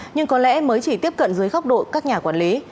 nhưng có lẽ mới chỉ tiếp cận dưới góc độ các nhà quản lý